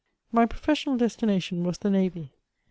My professional destination was the navy.